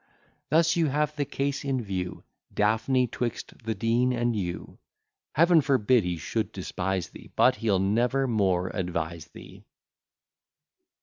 Thus you have the case in view, Daphne, 'twixt the Dean and you: Heaven forbid he should despise thee, But he'll never more advise thee.